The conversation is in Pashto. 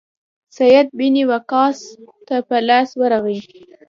سعد بن وقاص ته په لاس ورغی.